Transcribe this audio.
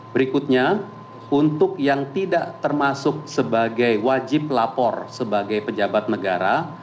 berikutnya untuk yang tidak termasuk sebagai wajib lapor sebagai pejabat negara